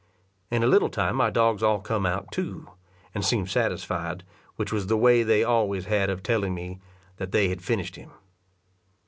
In a little time my dogs all come out too, and seemed satisfied, which was the way they always had of telling me that they had finished him.